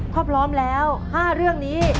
ถ้าพร้อมแล้ว๕เรื่องนี้